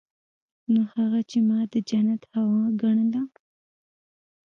نو هغه چې ما د جنت هوا ګڼله.